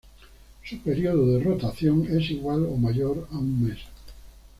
Su período de rotación es igual o mayor a un mes.